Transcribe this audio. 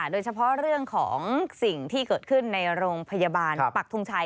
โดยเฉพาะเรื่องของสิ่งที่เกิดขึ้นในโรงพยาบาลปักทงชัย